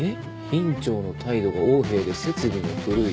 「院長の態度が横柄で設備も古い」ああ。